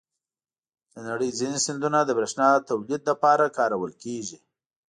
د نړۍ ځینې سیندونه د بریښنا تولید لپاره کارول کېږي.